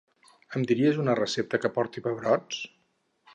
Em diries una recepta que porti pebrots?